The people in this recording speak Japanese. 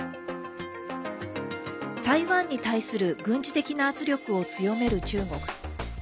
台湾に対する軍事的な圧力を強める中国。